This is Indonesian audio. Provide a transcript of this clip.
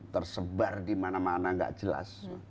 tersebar di mana mana nggak jelas